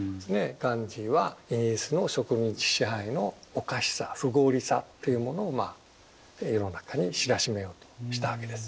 ガンディーはイギリスの植民地支配のおかしさ不合理さというものを世の中に知らしめようとしたわけです。